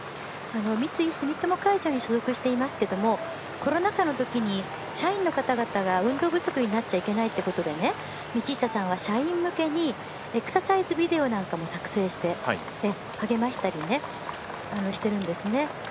三井住友海上に所属していますけどもコロナ禍のときに社員の方々が運動不足になっちゃいけないっていうことで道下さんは社員向けにエクササイズビデオなんかも作成して励ましたりしているんですね。